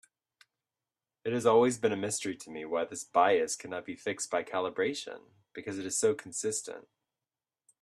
It has always been a mystery to me why this bias cannot be fixed by calibration, because it is so consistent.